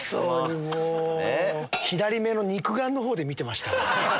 左目の肉眼のほうで見てました。